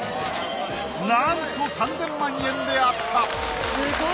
なんと３，０００万円であった。